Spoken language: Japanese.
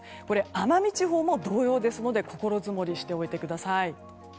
奄美地方も同様ですので心づもりしてください。